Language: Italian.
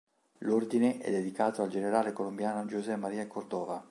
L'Ordine è dedicato al generale colombiano José María Córdova.